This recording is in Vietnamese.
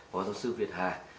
phó giáo sư việt hà